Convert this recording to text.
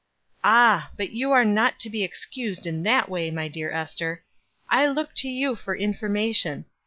"Ah! but you are not to be excused in that way, my dear Ester. I look to you for information.